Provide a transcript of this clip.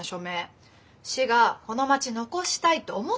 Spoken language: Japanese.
市がこの町残したいって思ってくれないと。